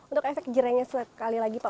untuk efek jeranya sekali lagi pak